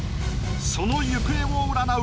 その行方を占う